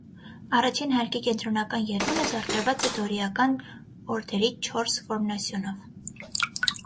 Առաջին հարկի կենտրոնական ելունը զարդարված է դորիական օրդերի չորս որմնասյունով։